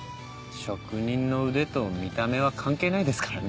職人の腕と見た目は関係ないですからね。